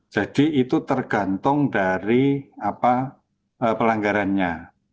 jadi itu tergantung dari pelanggarannya